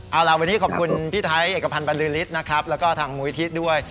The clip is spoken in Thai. เอาล่ะวันนี้ขอบคุณพี่ไทยเอกพันธ์บรรลือฤทธิ์นะครับแล้วก็ทางมูลิธิด้วย